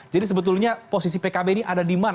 jadi sebetulnya posisi pkb ini ada di mana